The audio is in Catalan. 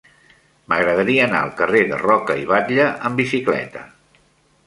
M'agradaria anar al carrer de Roca i Batlle amb bicicleta.